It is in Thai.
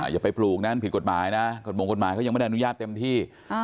อย่าไปปลูกนะผิดกฎหมายนะกฎหมายเขายังไม่ได้อนุญาตเต็มที่